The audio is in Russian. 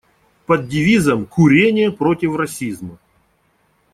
Под девизом: «Курение против расизма».